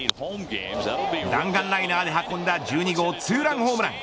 弾丸ライナーで運んだ１２号ツーランホームラン。